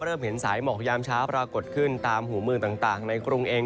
เริ่มเห็นสายหมอกยามเช้าปรากฏขึ้นตามหูเมืองต่างในกรุงเอง